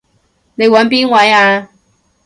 你搵邊位啊？